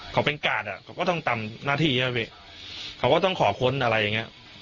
เขาเป็นกาดอ่ะเขาก็ต้องตามหน้าที่อ่ะพี่เขาก็ต้องขอค้นอะไรอย่างเงี้ย